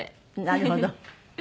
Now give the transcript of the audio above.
なるほど。